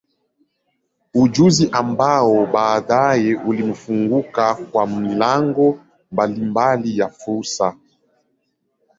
Ujuzi ambao baadaye ulimfunguka kwa milango mbalimbali ya fursa.